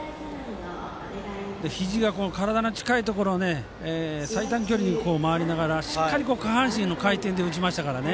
ひじが体の近いところに最短距離で回りながらしっかり下半身の回転で打ちましたから。